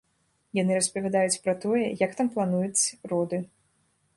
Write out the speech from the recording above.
Яны распавядаюць пра тое, як там плануюць роды.